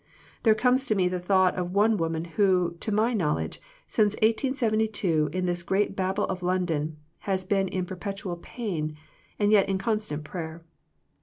There comes to me the thought of one woman who, to my knowledge, since 18Y2 in this great babel of Lon don, has been in perpetual pain, and yet in con stant prayer.